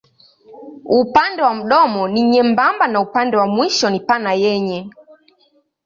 Upande wa mdomo ni nyembamba na upande wa mwisho ni pana yenye.